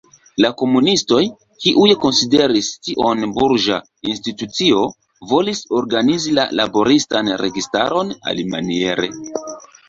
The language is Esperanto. La komunistoj, kiuj konsideris tion burĝa institucio, volis organizi la laboristan registaron alimaniere.